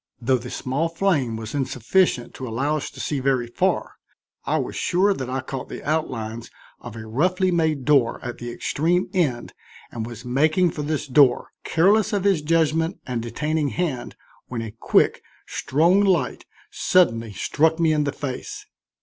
Though the small flame was insufficient to allow us to see very far, I was sure that I caught the outlines of a roughly made door at the extreme end and was making for this door, careless of his judgment and detaining hand, when a quick, strong light suddenly struck me in the face.